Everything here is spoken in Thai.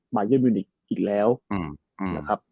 บายอนมิวนิกอีกแล้วอืมอืมนะครับ